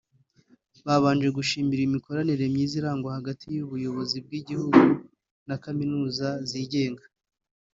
yabanje gushima imikoranire myiza irangwa hagati y’ubuyobozi bw’igihugu na Kaminuza zigenga